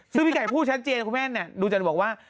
ซึ่งพี่ไก่พูดชัดเจนคุณแม่เนี่ยดูจะบอกว่า